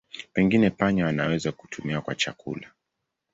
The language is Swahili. Pengine panya wanaweza kutumiwa kwa chakula.